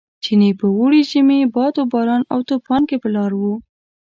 چیني په اوړي، ژمي، باد و باران او توپان کې پر لار و.